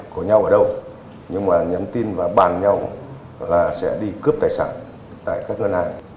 có nhau ở đâu nhưng mà nhắn tin và bàn nhau là sẽ đi cướp tài sản tại các ngân hàng